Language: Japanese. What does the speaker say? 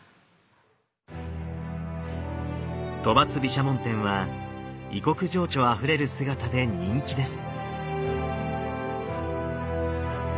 兜跋毘沙門天は異国情緒あふれる姿で人気です。